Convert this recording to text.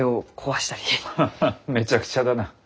ハハめちゃくちゃだな。